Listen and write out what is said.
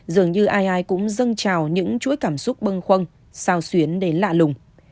dường như ai ai cũng dâng trào những chuỗi cảm xúc bơm